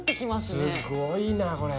すごいなこれ。